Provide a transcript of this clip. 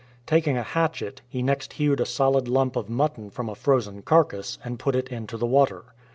Taking a hatchet, he next hewed a solid lump of mutton from a frozen carcase and put it into the water.